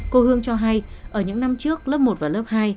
cô hương cho hay ở những năm trước lớp một và lớp hai